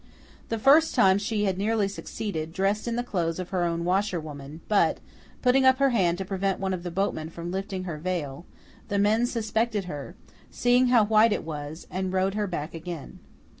The first time she had nearly succeeded, dressed in the clothes of her own washer woman, but, putting up her hand to prevent one of the boatmen from lifting her veil, the men suspected her, seeing how white it was, and rowed her back again.